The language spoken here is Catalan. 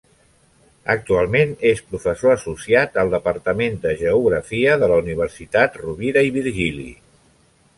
Actualment és professor associat al Departament de Geografia de la Universitat Rovira i Virgili.